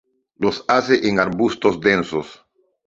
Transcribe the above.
Los hace en arbustos densos.